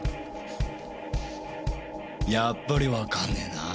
やっぱりわかんねえなぁ